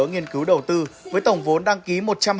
nghiên cứu đầu tư với tổng vốn đăng ký